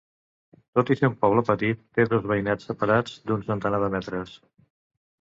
Tot i ser un poble petit, té dos veïnats separats d'un centenar de metres.